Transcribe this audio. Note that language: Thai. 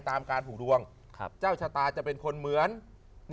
ตามการผูกดวงเจ้าชะตาจะเป็นคนเหมือน